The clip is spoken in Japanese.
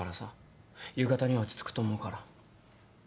夕方には落ち着くと思うから。